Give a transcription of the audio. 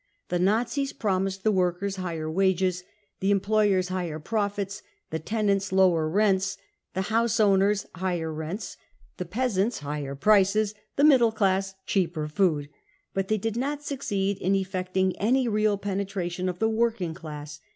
The Nazis promised the workers higher wages, the employers higher profits, the tenants lower rents, the house owners higher rents, the peasants higher prices, the middle class cheaper food. But they did not succeed in effecting any real penetration of the working class.